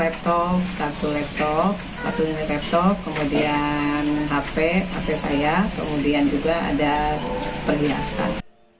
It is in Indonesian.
laptop satu laptop satu laptop kemudian hp hp saya kemudian juga ada perhiasan